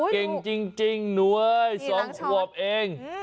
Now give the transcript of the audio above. เก่งจริงหนูเอ้ย๒ขวบเอง